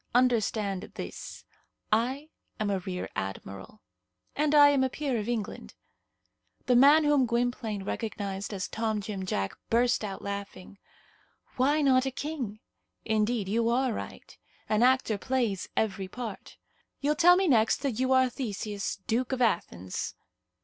Understand this: I am a rear admiral." "And I am a peer of England." The man whom Gwynplaine recognized as Tom Jim Jack burst out laughing. "Why not a king? Indeed, you are right. An actor plays every part. You'll tell me next that you are Theseus, Duke of Athens."